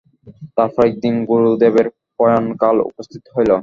তারপর একদিন গুরুদেবের প্রয়াণকাল উপস্থিত হইল।